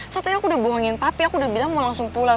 saat ini aku udah bohongin papi aku udah bilang mau langsung pulang